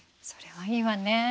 それはいいわね。